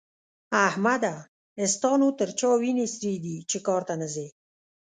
احمده! ستا نو تر چا وينې سرې دي چې کار ته نه ځې؟